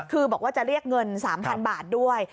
คือบอกว่าจะเรียกเงิน๓๐๐๐บาทด้วย